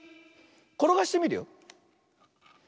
ころがしてみるよ。